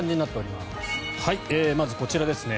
まずはこちらです。